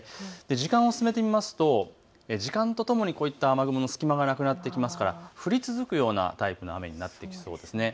時間を進めてみますと時間とともにこういった雨雲の隙間がなくなってきますから、降り続くようなタイプの雨になってきそうです。